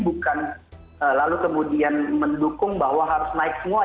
bukan lalu kemudian mendukung bahwa harus naik semua